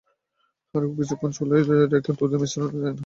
আরও কিছুক্ষণ চুলায় রেখে দুধের মিশ্রণে চায়না গ্রাস পুরোপুরি মিশিয়ে নিন।